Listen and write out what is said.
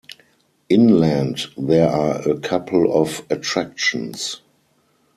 Inland there are a couple of attractions.